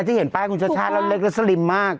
ที่เห็นป้ายคุณชาติชาติแล้วเล็กและสลิมมาก